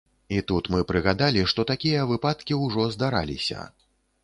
І тут мы прыгадалі, што такія выпадкі ўжо здараліся.